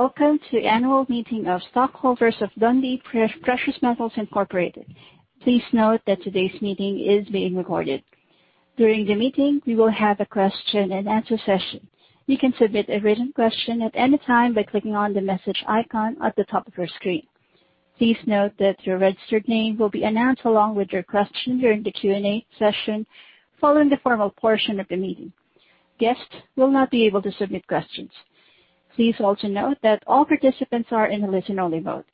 Welcome to Annual Meeting of Stockholders of Dundee Precious Metals Inc. Please note that today's meeting is being recorded. During the meeting, we will have a question and answer session. You can submit a written question at any time by clicking on the message icon at the top of your screen. Please note that your registered name will be announced along with your question during the Q&A session, following the formal portion of the meeting. Guests will not be able to submit questions. Please also note that all participants are in a listen only mode.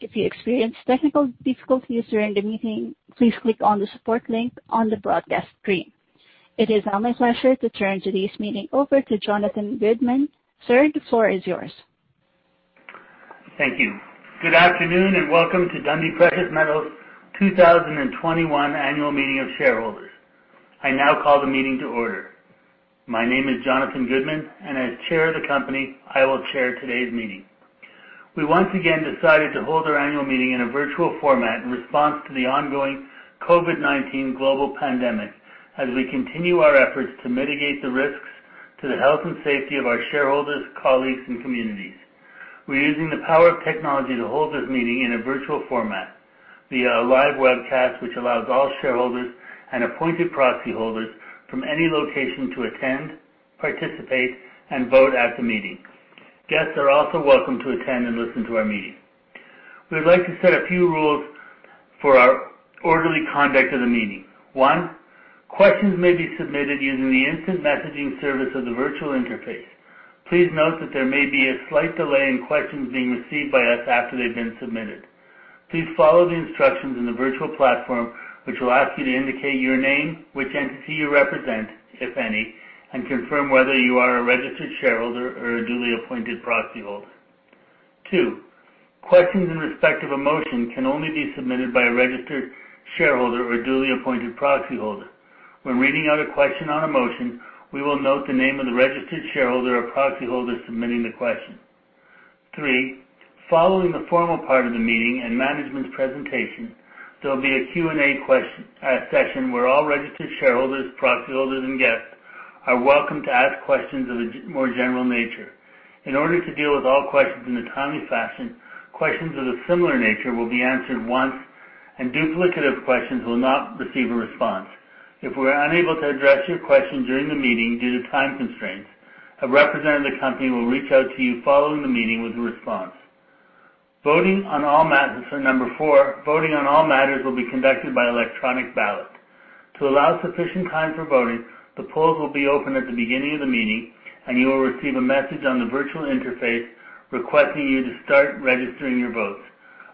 If you experience technical difficulties during the meeting, please click on the support link on the broadcast screen. It is now my pleasure to turn today's meeting over to Jonathan Goodman. Sir, the floor is yours. Thank you. Good afternoon, and welcome to Dundee Precious Metals' 2021 annual meeting of shareholders. I now call the meeting to order. My name is Jonathan Goodman, and as chair of the company, I will chair today's meeting. We once again decided to hold our annual meeting in a virtual format in response to the ongoing COVID-19 global pandemic, as we continue our efforts to mitigate the risks to the health and safety of our shareholders, colleagues, and communities. We're using the power of technology to hold this meeting in a virtual format via a live webcast, which allows all shareholders and appointed proxy holders from any location to attend, participate, and vote at the meeting. Guests are also welcome to attend and listen to our meeting. We'd like to set a few rules for our orderly conduct of the meeting. One, questions may be submitted using the instant messaging service of the virtual interface. Please note that there may be a slight delay in questions being received by us after they've been submitted. Please follow the instructions in the virtual platform, which will ask you to indicate your name, which entity you represent, if any, and confirm whether you are a registered shareholder or a duly appointed proxyholder. Two, questions in respect of a motion can only be submitted by a registered shareholder or duly appointed proxyholder. When reading out a question on a motion, we will note the name of the registered shareholder or proxyholder submitting the question. Three, following the formal part of the meeting and management's presentation, there will be a Q&A session where all registered shareholders, proxyholders, and guests are welcome to ask questions of a more general nature. In order to deal with all questions in a timely fashion, questions of a similar nature will be answered once and duplicative questions will not receive a response. If we're unable to address your question during the meeting due to time constraints, a representative of the company will reach out to you following the meeting with a response. Number four, voting on all matters will be conducted by electronic ballot. To allow sufficient time for voting, the polls will be open at the beginning of the meeting, and you will receive a message on the virtual interface requesting you to start registering your votes.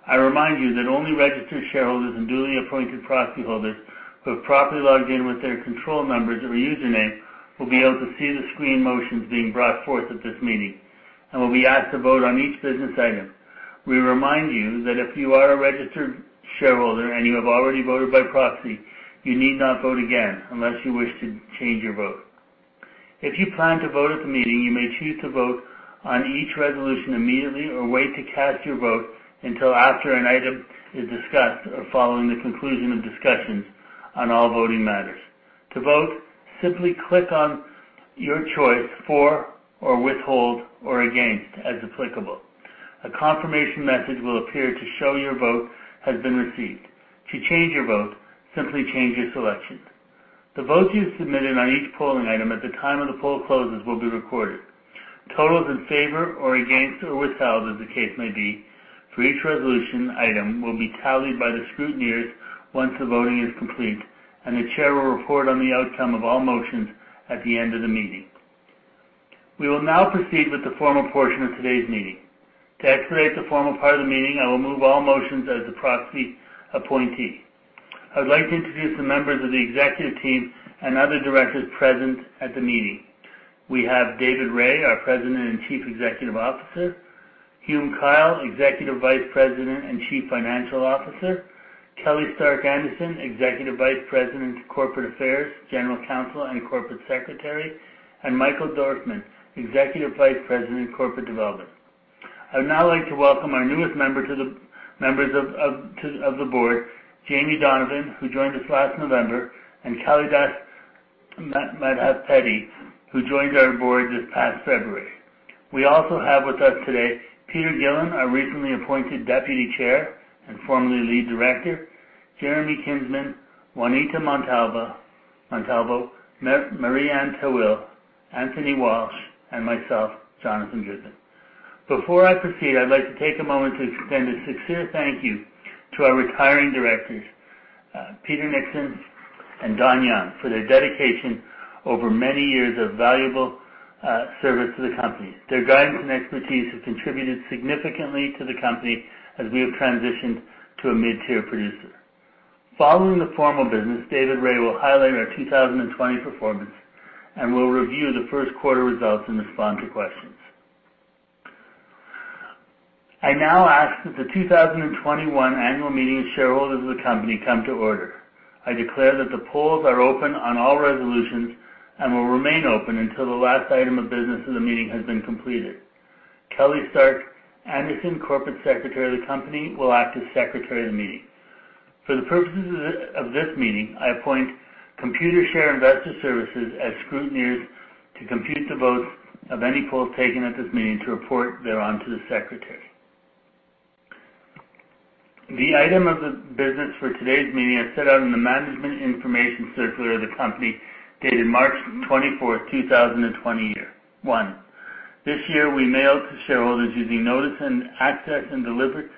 I remind you that only registered shareholders and duly appointed proxyholders who have properly logged in with their control numbers or username will be able to see the screen motions being brought forth at this meeting and will be asked to vote on each business item. We remind you that if you are a registered shareholder and you have already voted by proxy, you need not vote again unless you wish to change your vote. If you plan to vote at the meeting, you may choose to vote on each resolution immediately or wait to cast your vote until after an item is discussed or following the conclusion of discussions on all voting matters. To vote, simply click on your choice for, or withhold, or against as applicable. A confirmation message will appear to show your vote has been received. To change your vote, simply change your selection. The votes you've submitted on each polling item at the time of the poll closes will be recorded. Totals in favor or against or withheld, as the case may be, for each resolution item will be tallied by the scrutineers once the voting is complete, and the chair will report on the outcome of all motions at the end of the meeting. We will now proceed with the formal portion of today's meeting. To expedite the formal part of the meeting, I will move all motions as the proxy appointee. I would like to introduce the members of the executive team and other directors present at the meeting. We have David Rae, our President and Chief Executive Officer, Hume Kyle, Executive Vice President and Chief Financial Officer, Kelly Stark-Anderson, Executive Vice President of Corporate Affairs, General Counsel, and Corporate Secretary, and Michael Dorfman, Executive Vice President of Corporate Development. I would now like to welcome our newest members of the board, Jaimie Donovan, who joined us last November, and Kalidas Madhavpeddi, who joined our board this past February. We also have with us today Peter Gillin, our recently appointed Deputy Chair and formerly Lead Director, Jeremy Kinsman, Juanita Montalvo, Marie-Anne Tawil, Anthony Walsh, and myself, Jonathan Goodman. Before I proceed, I'd like to take a moment to extend a sincere thank you to our retiring directors, Peter Nixon and Don Young, for their dedication over many years of valuable service to the company. Their guidance and expertise have contributed significantly to the company as we have transitioned to a mid-tier producer. Following the formal business, David Rae will highlight our 2020 performance and will review the first quarter results and respond to questions. I now ask that the 2021 annual meeting of shareholders of the company come to order. I declare that the polls are open on all resolutions and will remain open until the last item of business of the meeting has been completed. Kelly Stark-Anderson, Corporate Secretary of the company, will act as Secretary of the meeting. For the purposes of this meeting, I appoint Computershare Investor Services as scrutineers to compute the votes of any polls taken at this meeting to report thereon to the Secretary. The item of the business for today's meeting is set out in the management information circular of the company dated March 24th, 2021. This year we mailed to shareholders using notice and access and delivered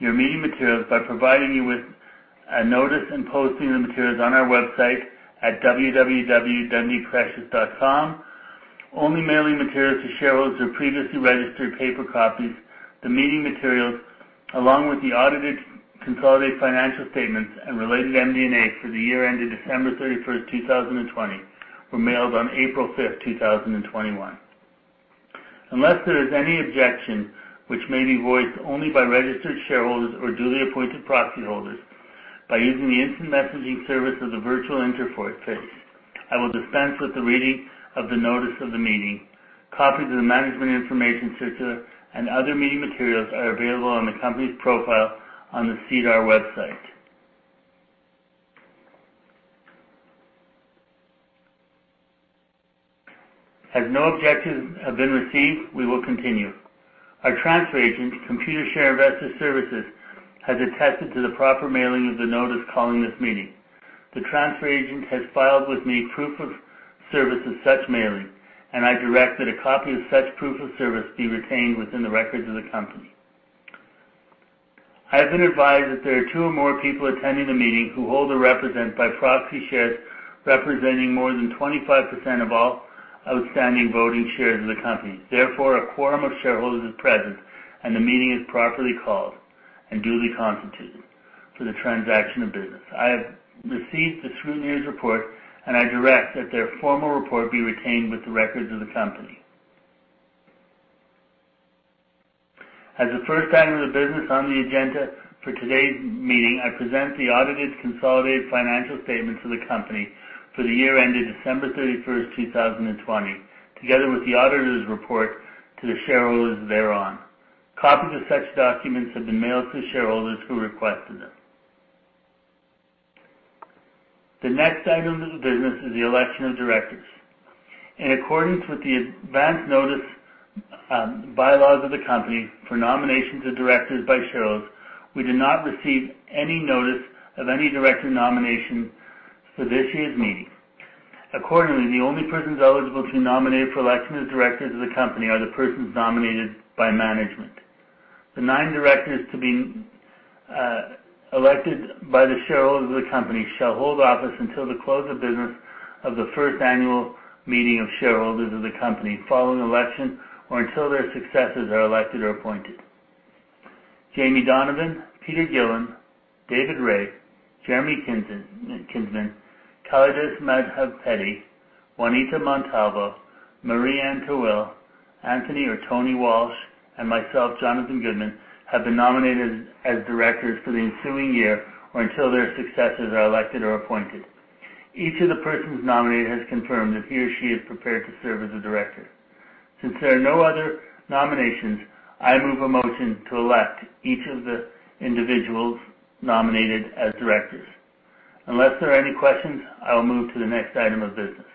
your meeting materials by providing you with a notice and posting the materials on our website at www.dundeeprecious.com, only mailing materials to shareholders who previously registered paper copies. The meeting materials, along with the audited consolidated financial statements and related MD&A for the year ended December 31st, 2020, were mailed on April 5th, 2021. Unless there is any objection, which may be voiced only by registered shareholders or duly appointed proxy holders by using the instant messaging service of the virtual interphone service, I will dispense with the reading of the notice of the meeting. Copies of the management information circular and other meeting materials are available on the company's profile on the SEDAR website. As no objections have been received, we will continue. Our transfer agent, Computershare Investor Services, has attested to the proper mailing of the notice calling this meeting. The transfer agent has filed with me proof of service of such mailing, and I direct that a copy of such proof of service be retained within the records of the company. I have been advised that there are two or more people attending the meeting who hold or represent by proxy shares representing more than 25% of all outstanding voting shares in the company. Therefore, a quorum of shareholders is present, and the meeting is properly called and duly constituted for the transaction of business. I have received the scrutineer's report, and I direct that their formal report be retained with the records of the company. As the first item of business on the agenda for today's meeting, I present the audited consolidated financial statements of the company for the year ended December 31st, 2020, together with the auditor's report to the shareholders thereon. Copies of such documents have been mailed to shareholders who requested them. The next item of business is the election of directors. In accordance with the advanced notice, bylaws of the company for nominations of directors by shareholders, we did not receive any notice of any director nomination for this year's meeting. Accordingly, the only persons eligible to nominate for election as directors of the company are the persons nominated by management. The nine directors to be elected by the shareholders of the company shall hold office until the close of business of the first annual meeting of shareholders of the company following election or until their successors are elected or appointed. Jaimie Donovan, Peter Gillin, David Rae, Jeremy Kinsman, Kalidas Madhavpeddi, Juanita Montalvo, Marie-Anne Tawil, Anthony or Tony Walsh, and myself, Jonathan Goodman, have been nominated as directors for the ensuing year or until their successors are elected or appointed. Each of the persons nominated has confirmed that he or she is prepared to serve as a director. Since there are no other nominations, I move a motion to elect each of the individuals nominated as directors. Unless there are any questions, I will move to the next item of business.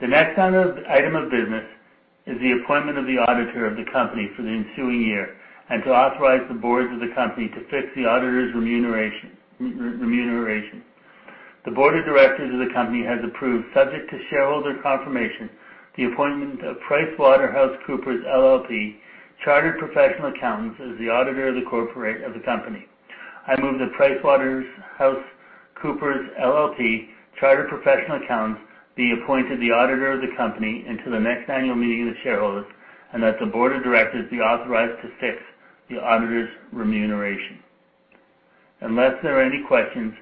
The next item of business is the appointment of the auditor of the company for the ensuing year, and to authorize the boards of the company to fix the auditor's remuneration. The board of directors of the company has approved, subject to shareholder confirmation, the appointment of PricewaterhouseCoopers LLP, Chartered Professional Accountants, as the auditor of the company. I move that PricewaterhouseCoopers LLP, Chartered Professional Accountants, be appointed the auditor of the company until the next annual meeting of the shareholders, and that the board of directors be authorized to fix the auditor's remuneration. Unless there are any questions,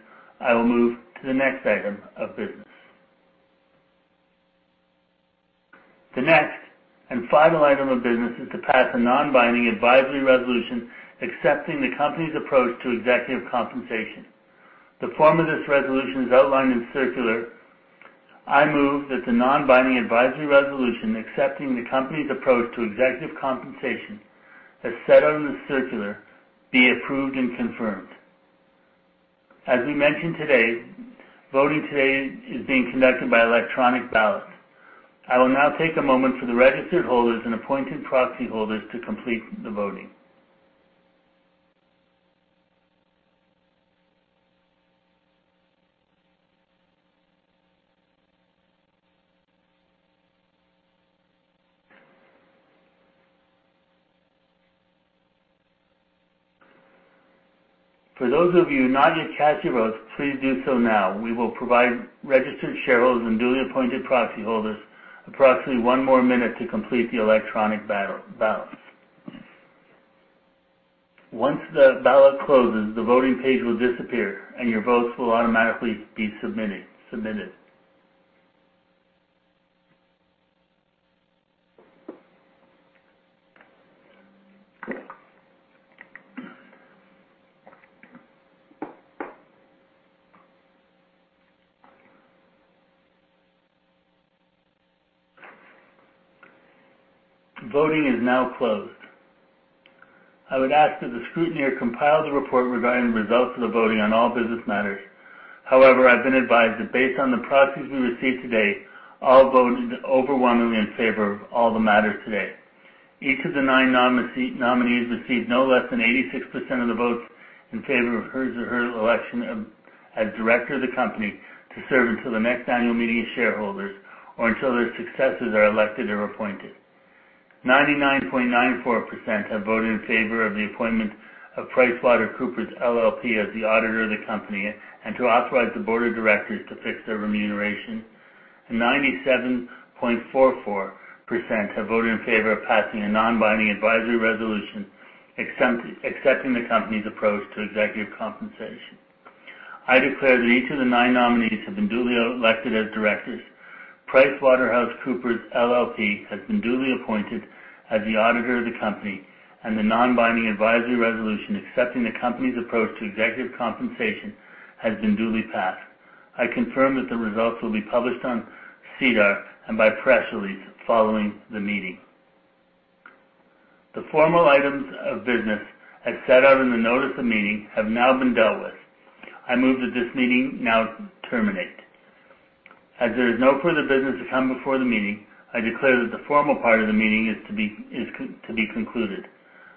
I will move to the next item of business. The next and final item of business is to pass a non-binding advisory resolution accepting the company's approach to executive compensation. The form of this resolution is outlined in the circular. I move that the non-binding advisory resolution accepting the company's approach to executive compensation, as set out in the circular, be approved and confirmed. As we mentioned today, voting today is being conducted by electronic ballot. I will now take a moment for the registered holders and appointed proxy holders to complete the voting. For those of you not yet casting votes, please do so now. We will provide registered shareholders and duly appointed proxy holders approximately one more minute to complete the electronic ballot. Once the ballot closes, the voting page will disappear, and your votes will automatically be submitted. Voting is now closed. I would ask that the scrutineer compile the report regarding the results of the voting on all business matters. I've been advised that based on the proxies we received today, all voted overwhelmingly in favor of all the matters today. Each of the nine nominees received no less than 86% of the votes in favor of his or her election as director of the company to serve until the next annual meeting of shareholders or until their successors are elected or appointed. 99.94% have voted in favor of the appointment of PricewaterhouseCoopers, LLP as the auditor of the company and to authorize the board of directors to fix their remuneration. 97.44% have voted in favor of passing a non-binding advisory resolution accepting the company's approach to executive compensation. I declare that each of the nine nominees have been duly elected as directors. PricewaterhouseCoopers, LLP has been duly appointed as the auditor of the company. The non-binding advisory resolution accepting the company's approach to executive compensation has been duly passed. I confirm that the results will be published on SEDAR and by press release following the meeting. The formal items of business as set out in the notice of meeting have now been dealt with. I move that this meeting now terminate. As there is no further business to come before the meeting, I declare that the formal part of the meeting is to be concluded.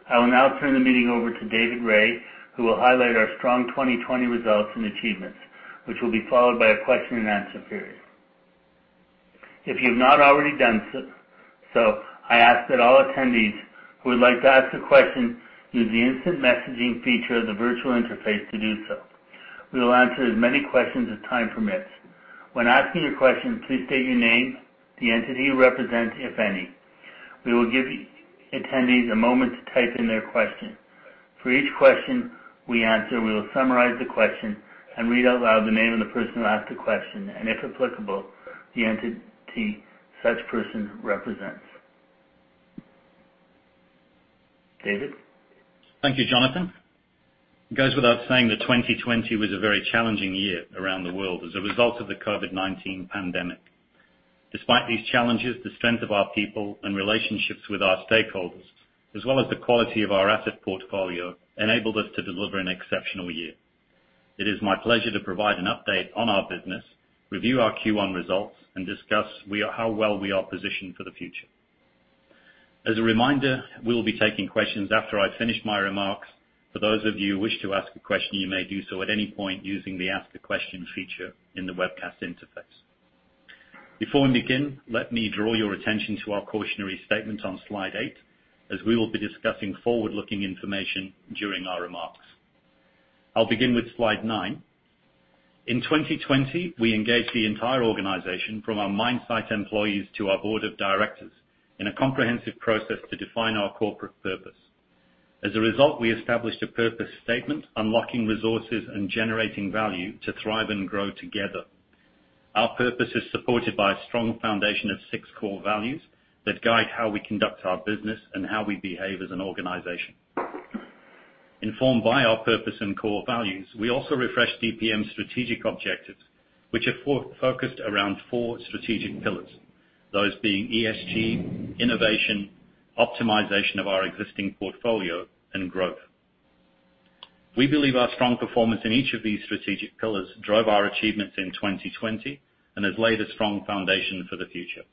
I will now turn the meeting over to David Rae, who will highlight our strong 2020 results and achievements, which will be followed by a question and answer period. If you've not already done so, I ask that all attendees who would like to ask a question use the instant messaging feature of the virtual interface to do so. We will answer as many questions as time permits. When asking a question, please state your name, the entity you represent, if any. We will give attendees a moment to type in their question. For each question we answer, we will summarize the question and read out loud the name of the person who asked the question and, if applicable, the entity such person represents. David? Thank you, Jonathan Goodman. It goes without saying that 2020 was a very challenging year around the world as a result of the COVID-19 pandemic. Despite these challenges, the strength of our people and relationships with our stakeholders, as well as the quality of our asset portfolio, enabled us to deliver an exceptional year. It is my pleasure to provide an update on our business, review our Q1 results, and discuss how well we are positioned for the future. As a reminder, we'll be taking questions after I finish my remarks. For those of you who wish to ask a question, you may do so at any point using the Ask a Question feature in the webcast interface. Before we begin, let me draw your attention to our cautionary statement on slide eight, as we will be discussing forward-looking information during our remarks. I'll begin with slide nine. In 2020, we engaged the entire organization, from our mine site employees to our board of directors, in a comprehensive process to define our corporate purpose. As a result, we established a purpose statement, unlocking resources and generating value to thrive and grow together. Our purpose is supported by a strong foundation of six core values that guide how we conduct our business and how we behave as an organization. Informed by our purpose and core values, we also refreshed DPM's strategic objectives, which are focused around four strategic pillars, those being ESG, innovation, optimization of our existing portfolio, and growth. We believe our strong performance in each of these strategic pillars drove our achievements in 2020 and has laid a strong foundation for the future.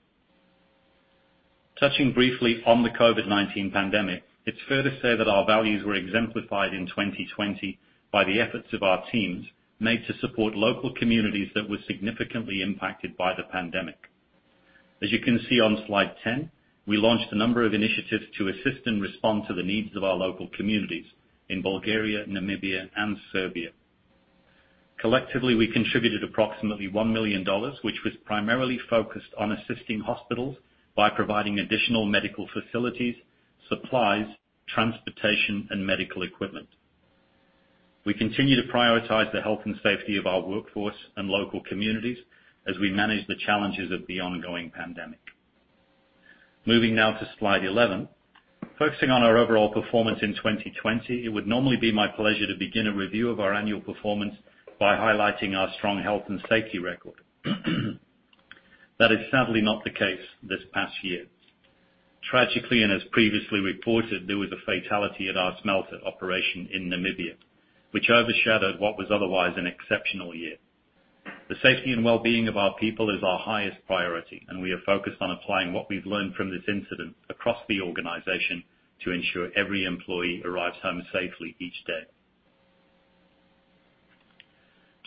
Touching briefly on the COVID-19 pandemic, it is fair to say that our values were exemplified in 2020 by the efforts of our teams made to support local communities that were significantly impacted by the pandemic. As you can see on slide 10, we launched a number of initiatives to assist and respond to the needs of our local communities in Bulgaria, Namibia, and Serbia. Collectively, we contributed approximately $1 million, which was primarily focused on assisting hospitals by providing additional medical facilities, supplies, transportation, and medical equipment. We continue to prioritize the health and safety of our workforce and local communities as we manage the challenges of the ongoing pandemic. Moving now to slide 11. Focusing on our overall performance in 2020, it would normally be my pleasure to begin a review of our annual performance by highlighting our strong health and safety record. That is sadly not the case this past year. Tragically, and as previously reported, there was a fatality at our smelter operation in Namibia, which overshadowed what was otherwise an exceptional year. The safety and wellbeing of our people is our highest priority, and we are focused on applying what we've learned from this incident across the organization to ensure every employee arrives home safely each day.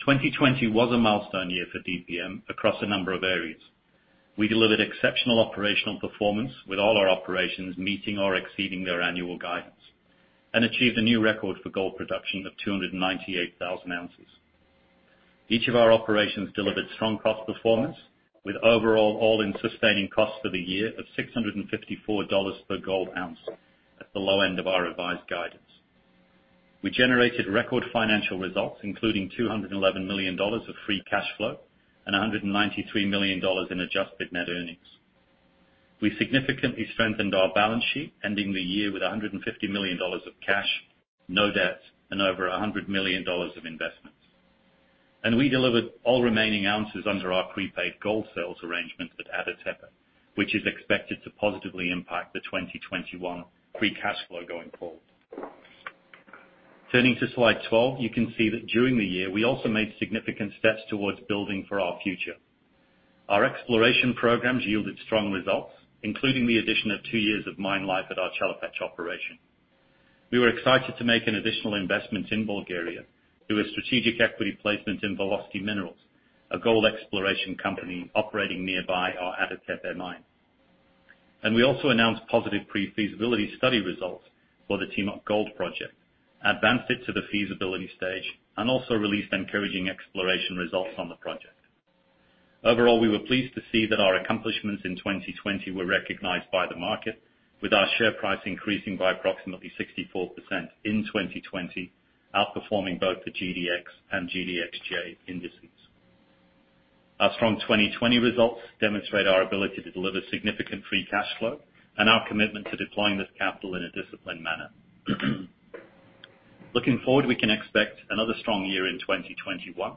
2020 was a milestone year for DPM across a number of areas. We delivered exceptional operational performance with all our operations meeting or exceeding their annual guidance and achieved a new record for gold production of 298,000 oz. Each of our operations delivered strong cost performance with overall all-in sustaining costs for the year of $654 per gold ounce at the low end of our revised guidance. We generated record financial results, including $211 million of free cash flow and $193 million in adjusted net earnings. We significantly strengthened our balance sheet, ending the year with $150 million of cash, no debt, and over $100 million of investments. We delivered all remaining ounces under our prepaid gold sales arrangements at Ada Tepe, which is expected to positively impact the 2021 free cash flow going forward. Turning to slide 12, you can see that during the year, we also made significant steps towards building for our future. Our exploration programs yielded strong results, including the addition of two years of mine life at our Chelopech operation. We were excited to make an additional investment in Bulgaria through a strategic equity placement in Velocity Minerals, a gold exploration company operating nearby our Ada Tepe Mine. We also announced positive pre-feasibility study results for the Timok Gold project, advanced it to the feasibility stage, and also released encouraging exploration results on the project. Overall, we were pleased to see that our accomplishments in 2020 were recognized by the market, with our share price increasing by approximately 64% in 2020, outperforming both the GDX and GDXJ indices. Our strong 2020 results demonstrate our ability to deliver significant free cash flow and our commitment to deploying this capital in a disciplined manner. Looking forward, we can expect another strong year in 2021.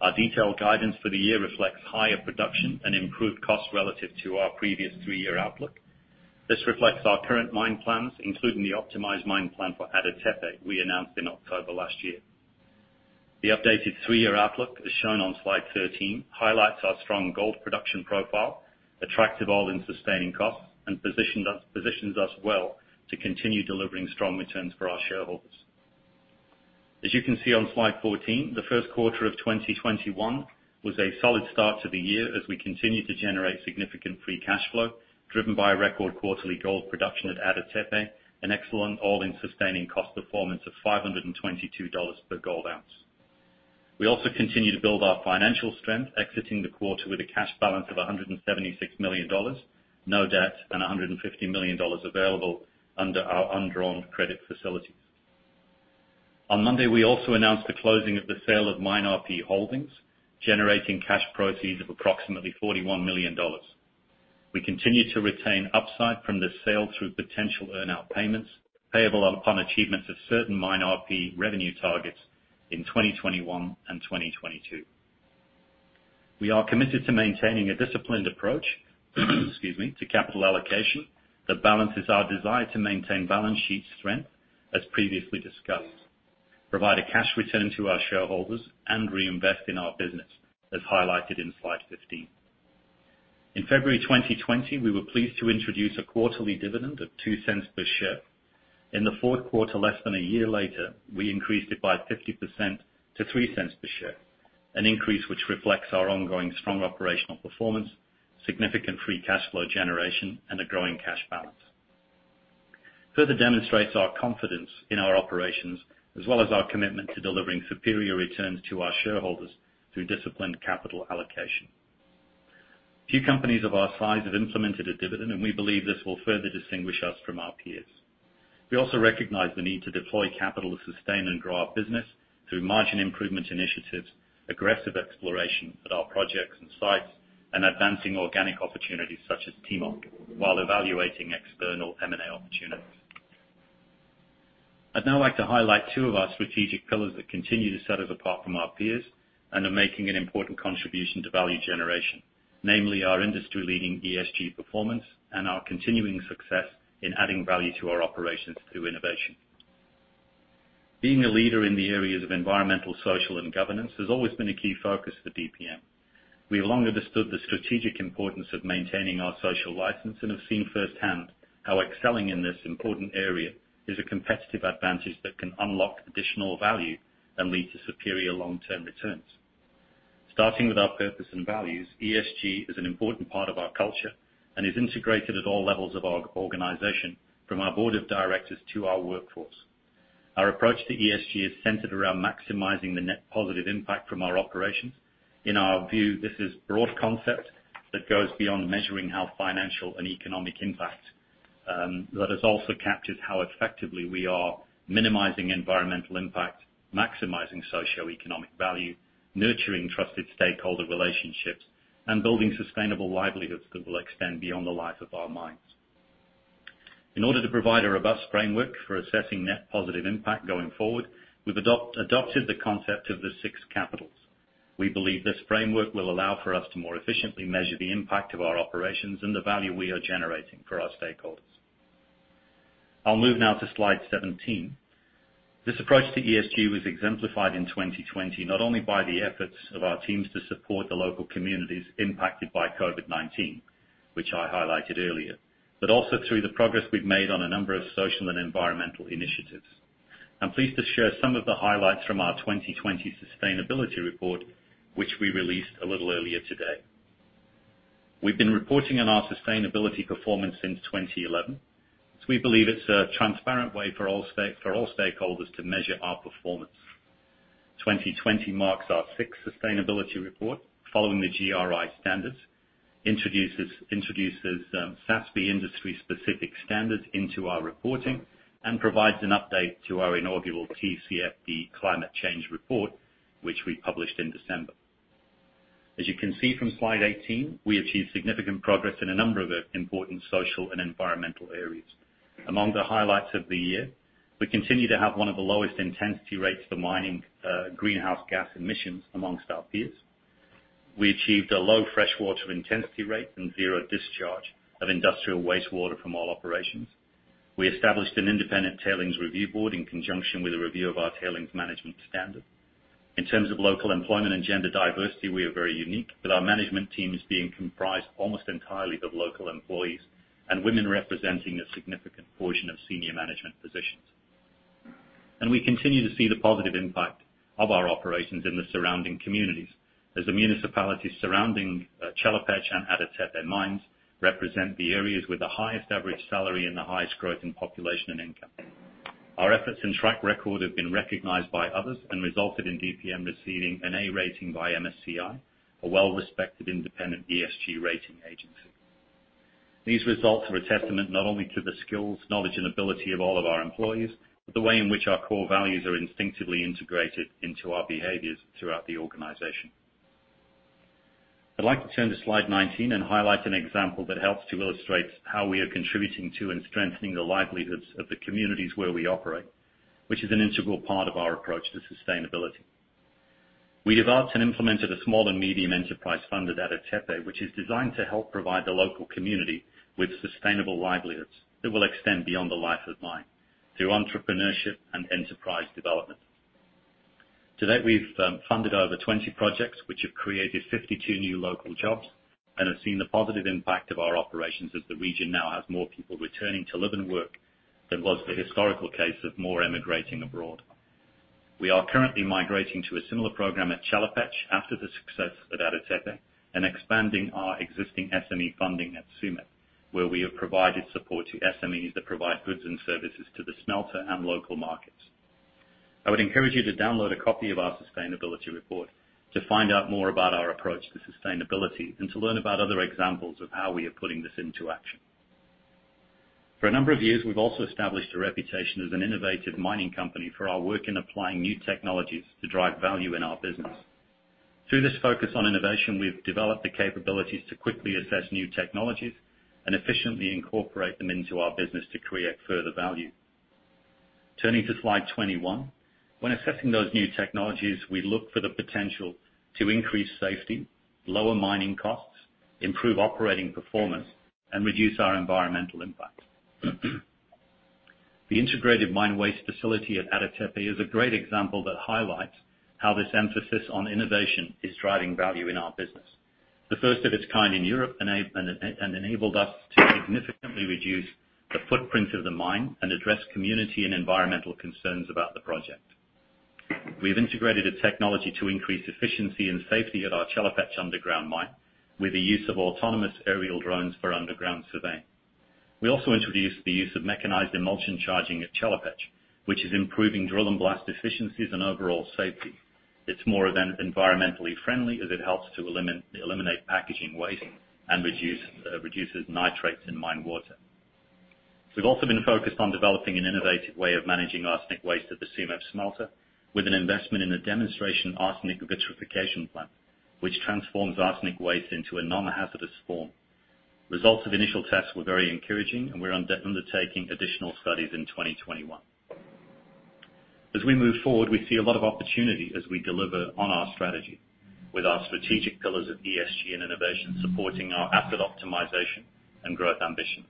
Our detailed guidance for the year reflects higher production and improved costs relative to our previous three-year outlook. This reflects our current mine plans, including the optimized mine plan for Ada Tepe we announced in October last year. The updated three-year outlook, as shown on slide 13, highlights our strong gold production profile, attractive all-in sustaining costs, and positions us well to continue delivering strong returns for our shareholders. As you can see on slide 14, the first quarter of 2021 was a solid start to the year as we continued to generate significant free cash flow, driven by a record quarterly gold production at Ada Tepe, an excellent all-in sustaining cost performance of $522 per gold ounce. We also continue to build our financial strength, exiting the quarter with a cash balance of $176 million, no debt, and $150 million available under our undrawn credit facilities. On Monday, we also announced the closing of the sale of MineRP Holdings, generating cash proceeds of approximately $41 million. We continue to retain upside from the sale through potential earn-out payments, payable upon achievement of certain MineRP revenue targets in 2021 and 2022. We are committed to maintaining a disciplined approach excuse me, to capital allocation that balances our desire to maintain balance sheet strength, as previously discussed, provide a cash return to our shareholders, and reinvest in our business, as highlighted in slide 15. In February 2020, we were pleased to introduce a quarterly dividend of $0.02 per share. In the fourth quarter, less than a year later, we increased it by 50% to $0.03 per share, an increase which reflects our ongoing strong operational performance, significant free cash flow generation, and a growing cash balance. It further demonstrates our confidence in our operations as well as our commitment to delivering superior returns to our shareholders through disciplined capital allocation. Few companies of our size have implemented a dividend. We believe this will further distinguish us from our peers. We also recognize the need to deploy capital to sustain and grow our business through margin improvement initiatives, aggressive exploration at our projects and sites, and advancing organic opportunities such as Timok while evaluating external M&A opportunities. I'd now like to highlight two of our strategic pillars that continue to set us apart from our peers and are making an important contribution to value generation, namely our industry-leading ESG performance and our continuing success in adding value to our operations through innovation. Being a leader in the areas of environmental, social, and governance has always been a key focus for DPM. We have long understood the strategic importance of maintaining our social license and have seen firsthand how excelling in this important area is a competitive advantage that can unlock additional value and lead to superior long-term returns. Starting with our purpose and values, ESG is an important part of our culture and is integrated at all levels of our organization, from our board of directors to our workforce. Our approach to ESG is centered around maximizing the net positive impact from our operations. In our view, this is a broad concept that goes beyond measuring our financial and economic impact, that has also captured how effectively we are minimizing environmental impact, maximizing socioeconomic value, nurturing trusted stakeholder relationships, and building sustainable livelihoods that will extend beyond the life of our mines. In order to provide a robust framework for assessing net positive impact going forward, we've adopted the concept of the Six Capitals. We believe this framework will allow for us to more efficiently measure the impact of our operations and the value we are generating for our stakeholders. I'll move now to slide 17. This approach to ESG was exemplified in 2020, not only by the efforts of our teams to support the local communities impacted by COVID-19, which I highlighted earlier, but also through the progress we've made on a number of social and environmental initiatives. I'm pleased to share some of the highlights from our 2020 sustainability report, which we released a little earlier today. We've been reporting on our sustainability performance since 2011, as we believe it's a transparent way for all stakeholders to measure our performance. 2020 marks our sixth sustainability report following the GRI standards, introduces SASB industry-specific standards into our reporting, and provides an update to our inaugural TCFD climate change report, which we published in December. As you can see from slide 18, we achieved significant progress in a number of important social and environmental areas. Among the highlights of the year, we continue to have one of the lowest intensity rates for mining greenhouse gas emissions amongst our peers. We achieved a low freshwater intensity rate and zero discharge of industrial wastewater from all operations. We established an independent tailings review board in conjunction with a review of our tailings management standard. In terms of local employment and gender diversity, we are very unique, with our management teams being comprised almost entirely of local employees, and women representing a significant portion of senior management positions. We continue to see the positive impact of our operations in the surrounding communities, as the municipalities surrounding Chelopech and Ada Tepe Mines represent the areas with the highest average salary and the highest growth in population and income. Our efforts and track record have been recognized by others and resulted in DPM receiving an A rating by MSCI, a well-respected independent ESG rating agency. These results are a testament not only to the skills, knowledge, and ability of all of our employees, but the way in which our core values are instinctively integrated into our behaviors throughout the organization. I'd like to turn to slide 19 and highlight an example that helps to illustrate how we are contributing to and strengthening the livelihoods of the communities where we operate, which is an integral part of our approach to sustainability. We developed and implemented a small and medium enterprise fund at Ada Tepe, which is designed to help provide the local community with sustainable livelihoods that will extend beyond the life of mine through entrepreneurship and enterprise development. To date, we've funded over 20 projects which have created 52 new local jobs and have seen the positive impact of our operations, as the region now has more people returning to live and work than was the historical case of more emigrating abroad. We are currently migrating to a similar program at Chelopech after the success at Ada Tepe and expanding our existing SME funding at Tsumeb, where we have provided support to SMEs that provide goods and services to the smelter and local markets. I would encourage you to download a copy of our sustainability report to find out more about our approach to sustainability and to learn about other examples of how we are putting this into action. For a number of years, we've also established a reputation as an innovative mining company for our work in applying new technologies to drive value in our business. Through this focus on innovation, we've developed the capabilities to quickly assess new technologies and efficiently incorporate them into our business to create further value. Turning to slide 21. When assessing those new technologies, we look for the potential to increase safety, lower mining costs, improve operating performance, and reduce our environmental impact. The integrated mine waste facility at Ada Tepe is a great example that highlights how this emphasis on innovation is driving value in our business. The first of its kind in Europe, enabled us to significantly reduce the footprint of the mine and address community and environmental concerns about the project. We've integrated a technology to increase efficiency and safety at our Chelopech underground mine with the use of autonomous aerial drones for underground surveying. We also introduced the use of mechanized emulsion charging at Chelopech, which is improving drill and blast efficiencies and overall safety. It's more environmentally friendly as it helps to eliminate packaging waste and reduces nitrates in mine water. We've also been focused on developing an innovative way of managing arsenic waste at the Tsumeb smelter with an investment in a demonstration arsenic vitrification plant, which transforms arsenic waste into a non-hazardous form. Results of initial tests were very encouraging. We're undertaking additional studies in 2021. As we move forward, we see a lot of opportunity as we deliver on our strategy with our strategic pillars of ESG and innovation supporting our asset optimization and growth ambitions.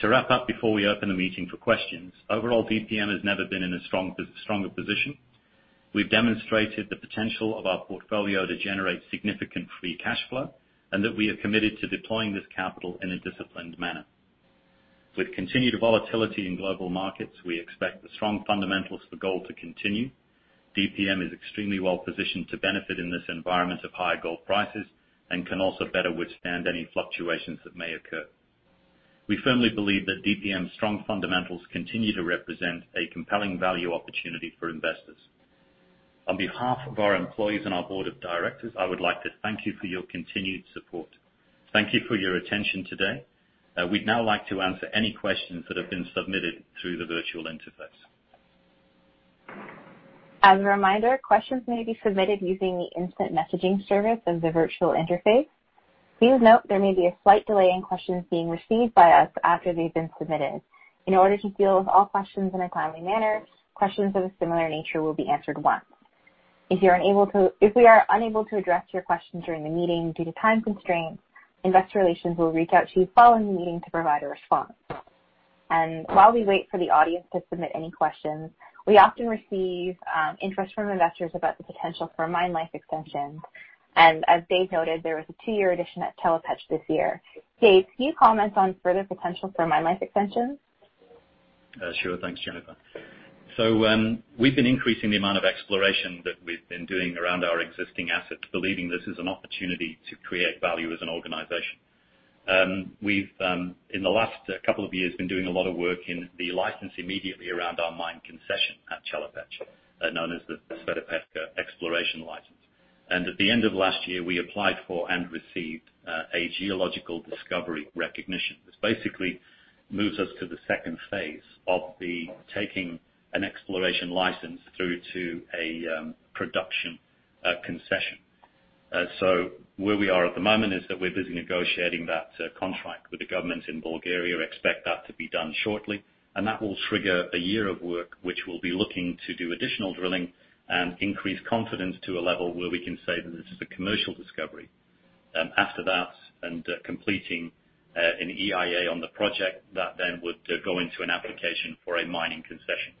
To wrap up before we open the meeting for questions, overall, DPM has never been in a stronger position. We've demonstrated the potential of our portfolio to generate significant free cash flow, and that we are committed to deploying this capital in a disciplined manner. With continued volatility in global markets, we expect the strong fundamentals for gold to continue. DPM is extremely well-positioned to benefit in this environment of high gold prices and can also better withstand any fluctuations that may occur. We firmly believe that DPM's strong fundamentals continue to represent a compelling value opportunity for investors. On behalf of our employees and our board of directors, I would like to thank you for your continued support. Thank you for your attention today. We'd now like to answer any questions that have been submitted through the virtual interface. As a reminder, questions may be submitted using the instant messaging service of the virtual interface. Please note there may be a slight delay in questions being received by us after they've been submitted. In order to deal with all questions in a timely manner, questions of a similar nature will be answered once. If we are unable to address your question during the meeting due to time constraints, Investor Relations will reach out to you following the meeting to provide a response. While we wait for the audience to submit any questions, we often receive interest from investors about the potential for mine life extensions. As Dave noted, there was a two-year addition at Chelopech this year. Dave, can you comment on further potential for mine life extensions? Sure. Thanks, Jennifer. We've been increasing the amount of exploration that we've been doing around our existing assets, believing this is an opportunity to create value as an organization. We've, in the last couple of years, been doing a lot of work in the license immediately around our mine concession at Chelopech, known as the Sredopeka exploration license. At the end of last year, we applied for and received a geological discovery recognition. This basically moves us to the second phase of taking an exploration license through to a production concession. Where we are at the moment is that we're busy negotiating that contract with the government in Bulgaria. Expect that to be done shortly, and that will trigger a year of work, which we'll be looking to do additional drilling and increase confidence to a level where we can say that this is a commercial discovery. After that, and completing an EIA on the project, that then would go into an application for a mining concession,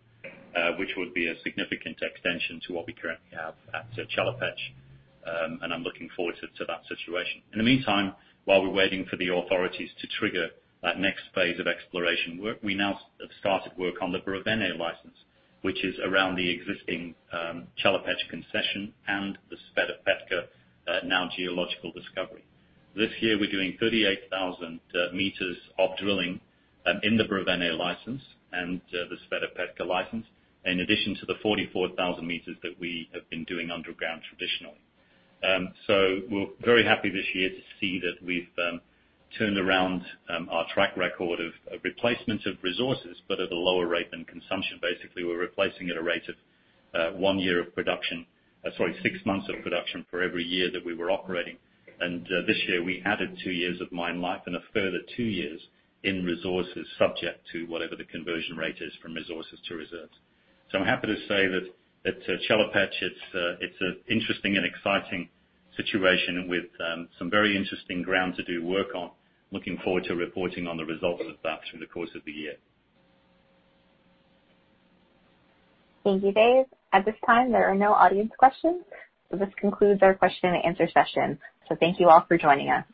which would be a significant extension to what we currently have at Chelopech, and I'm looking forward to that situation. In the meantime, while we're waiting for the authorities to trigger that next phase of exploration work, we now have started work on the Brevene license, which is around the existing Chelopech concession and the Sveta Petka now geological discovery. This year, we're doing 38,000 m of drilling in the Brevene license and the Sveta Petka license, in addition to the 44,000 m that we have been doing underground traditionally. We're very happy this year to see that we've turned around our track record of replacement of resources, but at a lower rate than consumption. Basically, we're replacing at a rate of six months of production for every year that we were operating. This year, we added two years of mine life and a further two years in resources subject to whatever the conversion rate is from resources to reserves. I'm happy to say that Chelopech, it's an interesting and exciting situation with some very interesting ground to do work on. Looking forward to reporting on the results of that through the course of the year. Thank you, Dave. At this time, there are no audience questions. This concludes our question and answer session. Thank you all for joining us.